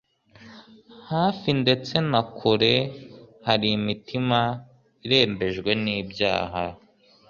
hafi ndetse na kure, hari imitima irembejwe n'ibyaha.